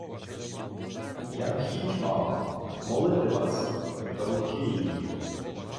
— Я-м хіть мав... молити вас... руки її...